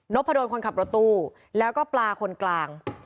พะดนคนขับรถตู้แล้วก็ปลาคนกลาง